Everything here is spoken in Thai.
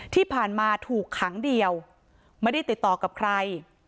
ที่ผ่านมาถูกขังเดียวไม่ได้ติดต่อกับใคร